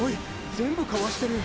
全部かわしてる！